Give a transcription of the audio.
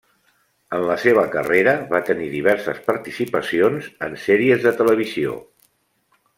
En la seva carrera va tenir diverses participacions en sèries de televisió.